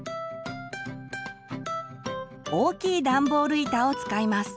大きいダンボール板を使います。